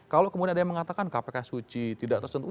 kalau kemudian ada yang mengatakan kpk suci tidak tersentuh